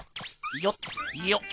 よっよっ。